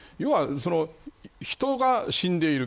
人が死んでいる。